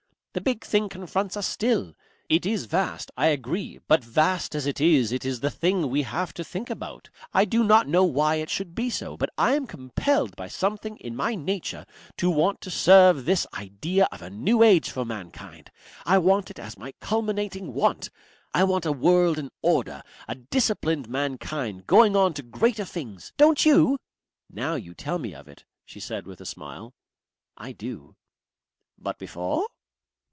The big thing confronts us still. It is vast, I agree, but vast as it is it is the thing we have to think about. I do not know why it should be so, but I am compelled by something in my nature to want to serve this idea of a new age for mankind. I want it as my culminating want. I want a world in order, a disciplined mankind going on to greater things. Don't you?" "Now you tell me of it," she said with a smile, "I do." "But before